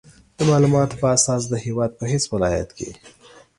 د مالوماتو په اساس د هېواد په هېڅ ولایت کې